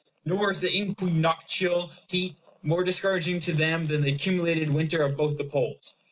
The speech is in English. Nor is the equinoctial heat more discouraging to them than the accumulated winter of both the poles.